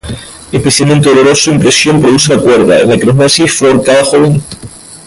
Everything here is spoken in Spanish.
Especialmente doloroso impresión produce la cuerda, en la que los nazis fue ahorcada joven.